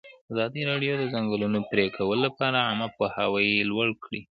ازادي راډیو د د ځنګلونو پرېکول لپاره عامه پوهاوي لوړ کړی.